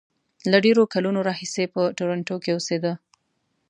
له ډېرو کلونو راهیسې په ټورنټو کې اوسېد.